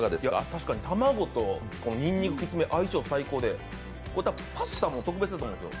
確かに卵とにんにく相性最高でパスタも特別やとおもうんですよ。